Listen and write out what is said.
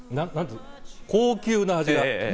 高級な味が。